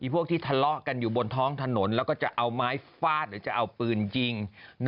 พวกที่ทะเลาะกันอยู่บนท้องถนนแล้วก็จะเอาไม้ฟาดหรือจะเอาปืนยิง